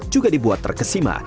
juga dibuat terkesima